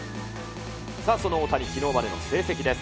さあ、その大谷、きのうまでの成績です。